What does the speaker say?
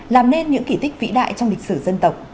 làm nên những kỳ tích vĩ đại trong lịch sử dân tộc